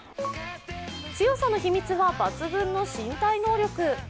強さの秘密は抜群の身体能力。